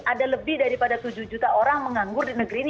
ada lebih daripada tujuh juta orang menganggur di negeri ini